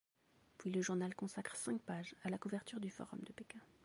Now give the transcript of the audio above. Puis le journal consacre cinq pages à la couverture du forum de Pékin.